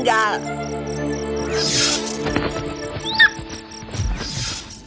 dan masih tiba di monsieur pes